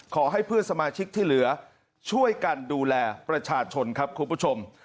ขอให้เพื่อนสมาชิกที่เหลือช่วยกันดูแลประชาชนครับคุณผู้ชม